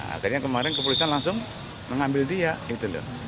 akhirnya kemarin kepolisian langsung mengambil dia gitu loh